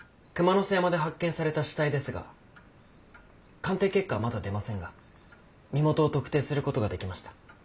背山で発見された死体ですが鑑定結果はまだ出ませんが身元を特定することができました。